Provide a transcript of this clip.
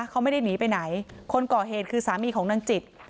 เขาไม่ได้หนีไปไหนคนก่อเหตุคือสามีของนางจิต